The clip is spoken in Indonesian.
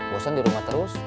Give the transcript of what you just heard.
bosan di rumah terus